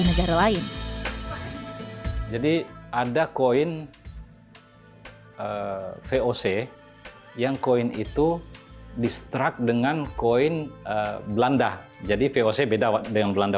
negara lain jadi ada koin voc yang koin itu distruct dengan koin belanda jadi voc beda dengan belanda